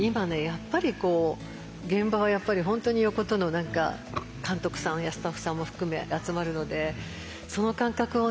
やっぱり現場はやっぱり本当に横との何か監督さんやスタッフさんも含めが集まるのでその感覚をね